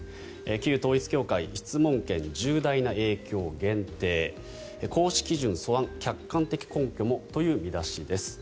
旧統一教会質問権、重大な影響限定行使基準素案、客観的根拠もという見出しです。